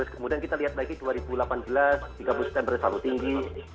kemudian kita lihat lagi dua ribu delapan belas tiga puluh september selalu tinggi